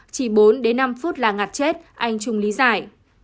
chỉ bốn đến năm phút là ngặt chết anh trung lý giải